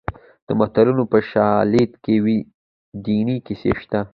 د متلونو په شالید کې دیني کیسې شته